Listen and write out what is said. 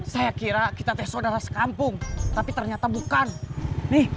saya kira kita teh saudara sekampung tapi ternyata bukan nih